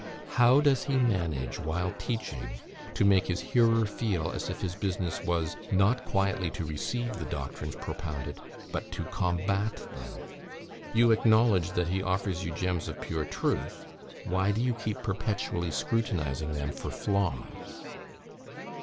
How does he manage, while teaching, to make his hearer feel as if his business was, not quietly to receive the doctrines propounded, but to combat them? You acknowledge that he offers you gems of pure truth; why do you keep perpetually scrutinising them for flaws?